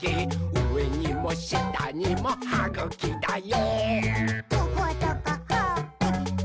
うえにもしたにもはぐきだよ！」